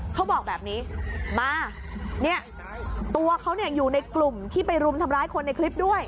เขาบอกแบบนี้มาเนี่ยตัวเขาเนี่ยอยู่ในกลุ่มที่ไปรุมทำร้ายคนในคลิปด้วย